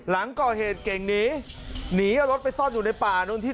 แล้วกอเฮศเก่งหนีหนีเอารถไปซ่อนอยู่ในป่านที่